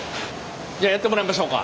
じゃあやってもらいましょうか。